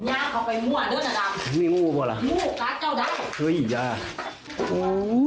โอ้โหนี่ห้องเหรอเดี๋ยว